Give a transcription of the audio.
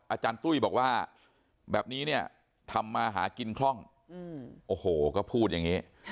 อาจารย์ตุ้ยบอกว่าแบบนี้เนี่ยทำมาหากินคล่องโอ้โหก็พูดอย่างนี้